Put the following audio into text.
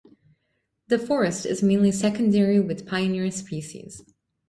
The forest is mainly secondary with pioneer species.